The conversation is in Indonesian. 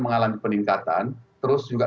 mengalami peningkatan terus juga